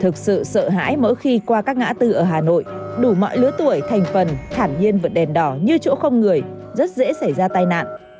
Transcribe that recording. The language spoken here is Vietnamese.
thực sự sợ hãi mỗi khi qua các ngã tư ở hà nội đủ mọi lứa tuổi thành phần thản nhiên vượt đèn đỏ như chỗ không người rất dễ xảy ra tai nạn